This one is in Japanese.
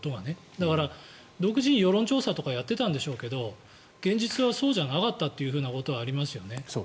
だから、独自に世論調査とかやっていたんでしょうけど現実はそうじゃなかったということはありますよね。